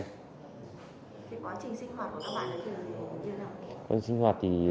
quá trình sinh hoạt thì vợ em lo hết ạ